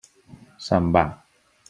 Se'n va.